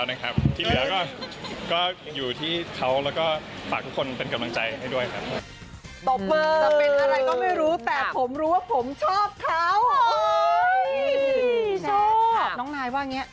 ว่าลูกสาวเราใบเฟิร์นว่าไง